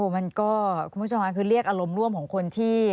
คุณผู้ชมค่ะคือเรียกอารมณ์ร่วมของคนที่